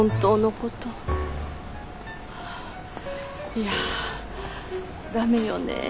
いや駄目よね